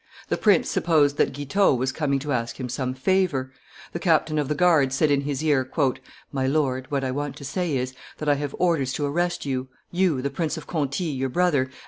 The prince supppsed that Guitaut was coming to ask him some favor; the captain of the guards said in his ear, "My lord, what I want to say is, that I have orders to arrest you, you, the Prince of Conti your brother, and M.